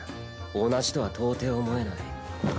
同じとは到底思えない。